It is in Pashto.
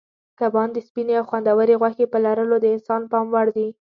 کبان د سپینې او خوندورې غوښې په لرلو د انسان پام وړ دي.